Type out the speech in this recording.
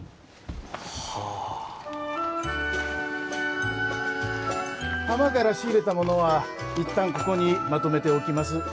はあ浜から仕入れたものは一旦ここにまとめておきます